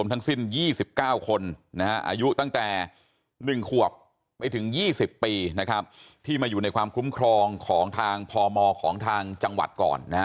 ทั้งสิ้น๒๙คนอายุตั้งแต่๑ขวบไปถึง๒๐ปีที่มาอยู่ในความคุ้มครองของทางพมของทางจังหวัดก่อน